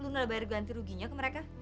luna udah bayar ganti ruginya ke mereka